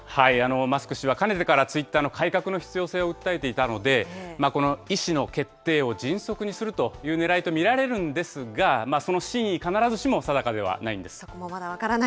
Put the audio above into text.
マスク氏はかねてからツイッターの改革の必要性を訴えていたので、この意思の決定を迅速にするというねらいと見られるんですが、その真意、必ずしも定かではないんです。